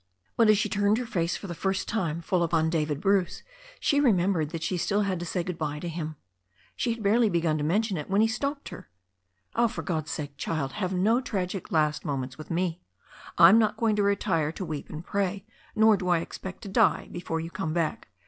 But as she turned her face for the first time full upon David Bruce she remembered that she still had to say good bye to him. She had barely begun to mention it when he stopped her. "For God's sake, child, have no tragic last moments with me. I am not going to retire to weep and pray, nor do I expect to die before you come back.